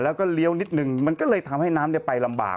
แล้วก็เลี้ยวนิดนึงมันก็เลยทำให้น้ำไปลำบาก